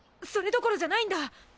それどころじゃないんだ！